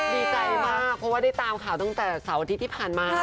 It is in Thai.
ดีใจมากเพราะว่าได้ตามข่าวตั้งแต่เสาร์อาทิตย์ที่ผ่านมา